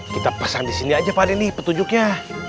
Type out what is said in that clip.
kita pasang di sini aja pak denny petunjuknya